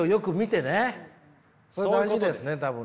それが大事ですね多分ね。